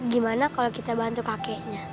gimana kalau kita bantu kakeknya